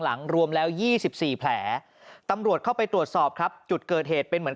รวมแล้ว๒๔แผลตำรวจเข้าไปตรวจสอบครับจุดเกิดเหตุเป็นเหมือน